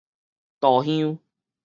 肚香